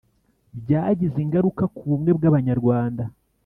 Byagize ingaruka ku bumwe bw'Abanyarwanda: